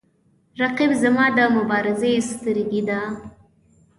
رقیب زما د مبارزې سترګې ده